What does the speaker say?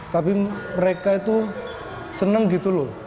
tapi mereka itu senang gitu loh